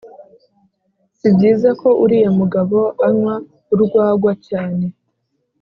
si byiza ko uriya mugabo anywa urwagwa cyane.